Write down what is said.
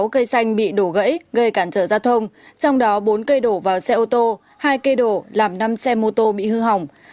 sáu trăm sáu mươi sáu cây xanh bị đổ gãy gây cản trở gia thông trong đó bốn cây đổ vào xe ô tô hai cây đổ làm năm xe mô tô bị hư hỏng